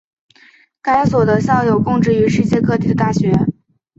该所的校友供职于世界各地的大学。